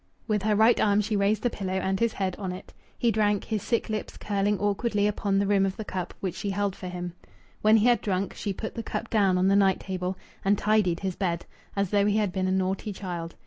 With her right arm she raised the pillow and his head on it. He drank, his sick lips curling awkwardly upon the rim of the cup, which she held for him. When he had drunk, she put the cup down on the night table, and tidied his bed, as though he had been a naughty child.